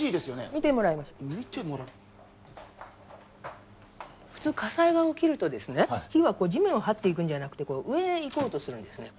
見てもらいましょう普通火災が起きるとですね火は地面をはっていくんじゃなくて上へいこうとするんですね